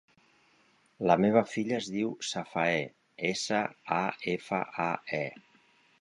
La meva filla es diu Safae: essa, a, efa, a, e.